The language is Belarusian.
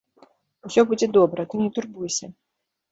Усё будзе добра, ты не турбуйся.